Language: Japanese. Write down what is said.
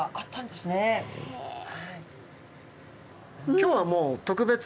今日はもう特別。